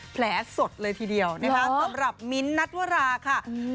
แผลโสดเลยทีเดียวสำหรับณนัตวราคัก